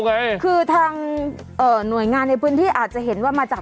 ไงคือทางเอ่อหน่วยงานในพื้นที่อาจจะเห็นว่ามาจาก